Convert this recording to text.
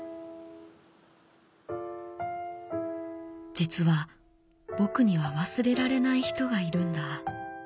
「実は僕には忘れられない人がいるんだ。